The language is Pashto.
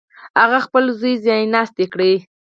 هغه خپل زوی ځایناستی کړي.